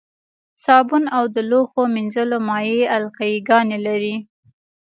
صابون او د لوښو مینځلو مایع القلي ګانې لري.